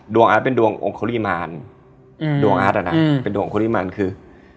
ดวงอาร์ตเป็นดวงองค์ครีมานดวงอาร์ตเป็นดวงองค์ครีมานคือ